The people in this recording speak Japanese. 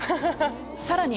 さらに。